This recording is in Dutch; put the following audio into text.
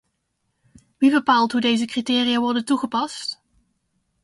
Wie bepaalt hoe deze criteria worden toegepast?